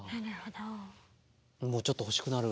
もうちょっと欲しくなる。